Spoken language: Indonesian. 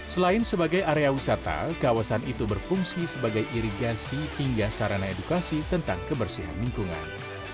selain sebagai area wisata kawasan itu berfungsi sebagai irigasi hingga sarana edukasi tentang kebersihan lingkungan